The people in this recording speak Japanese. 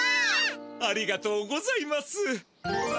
ありがとうございます！